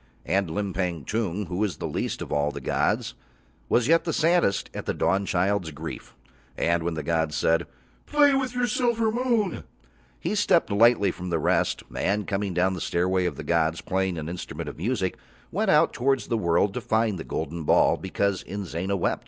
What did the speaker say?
And Limpang Tung, who was least of all the gods, was yet the saddest at the Dawnchild's grief, and when the gods said: "Play with your silver moon," he stepped lightly from the rest, and coming down the stairway of the gods, playing an instrument of music, went out towards the world to find the golden ball because Inzana wept.